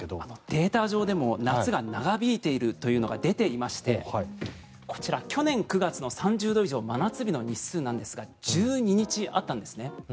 データ上でも夏が長引いているというのが出ていましてこちら、去年９月の３０度以上真夏日の日数なんですが１２日あったんですね。